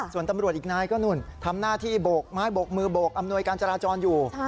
ส่วนตำรวจอีกนายก็นู่นทำหน้าที่โบกไม้โบกมือโบกอำนวยการจราจรอยู่